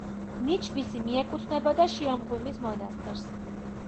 ნიჩბისი მიეკუთვნებოდა შიომღვიმის მონასტერს.